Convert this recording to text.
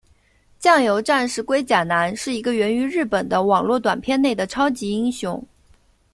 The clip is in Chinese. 酱油战士龟甲男是一个源于日本的网络短片内的超级英雄。